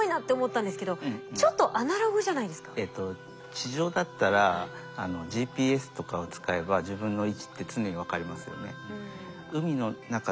地上だったらＧＰＳとかを使えば自分の位置って常に分かりますよね。